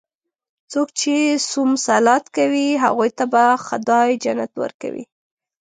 څوک چې صوم صلات کوي، هغوی ته به خدا جنت ورکوي.